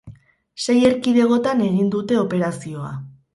Sei erkidegotan egin dute operazioa.